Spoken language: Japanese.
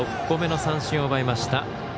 ６個目の三振を奪いました。